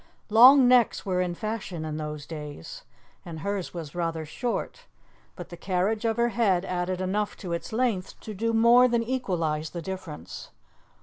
Long necks were in fashion in those days, and hers was rather short, but the carriage of her head added enough to its length to do more than equalize the difference.